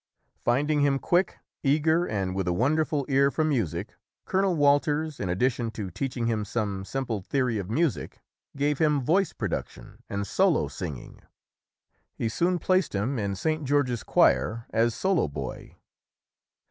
Finding him quick, eager and with a wonderful ear for music, Colonel Walters, in addition to teaching him some simple theory of music, gave him voice production and solo singing. He soon placed him in St. George's choir as solo boy.